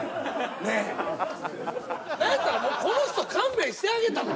ねえ何やったらもうこの人勘弁してあげたら？